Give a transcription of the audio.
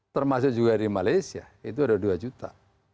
termasuk juga di malaysia itu ada dua juta